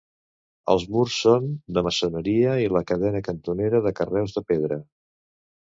Els murs són de maçoneria i la cadena cantonera de carreus de pedra.